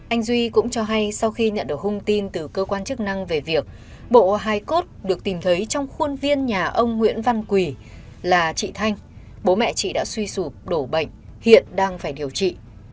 anh duy cũng cho hay sau khi nhận được hung tin từ cơ quan chức năng về việc bộ hai cốt được tìm thấy trong khuôn viên nhà ông nguyễn văn quỳ là chị thanh bố mẹ chị đã suy sụp đổ bệnh hiện đang phải điều trị